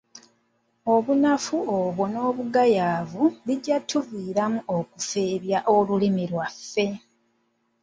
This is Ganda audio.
Obunafu obwo n’obugayaavu bijja kutuviiramu okufeebya olulimi lwaffe.